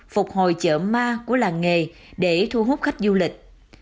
phục hồi chợ ma của làng nghề để thu hút khách du lịch